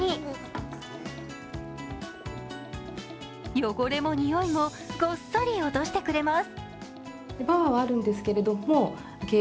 汚れもにおいもごっそり落としてくれます。